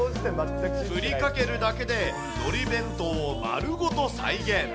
振りかけるだけで、のり弁当をまるごと再現。